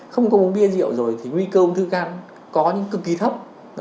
không có uống bia rượu rồi thì nguy cơ ung thư gan có những cực kỳ thấp